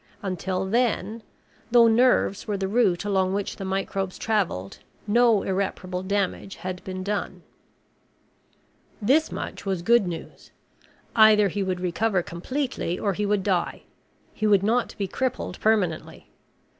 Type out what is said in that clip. Until then, though nerves were the route along which the microbes traveled, no irreparable damage had been done. This much was good news. Either he would recover completely or he would die. He would not be crippled permanently.